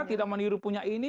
tidak meniru punya ini